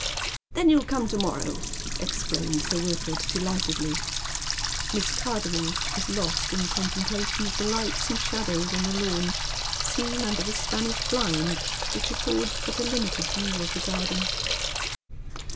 "Then you'll come to morrow," exclaims Sir Wilford, delightedly. Miss Cardonnel is lost in contemplation of the lights and shadows on the lawn, seen under the Spanish blind, which affords but a limited view of the garden.